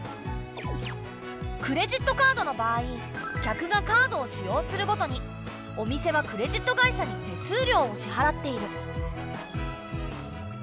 クレジットカードの場合客がカードを使用するごとにお店はクレジット会社に手数料を支払っている。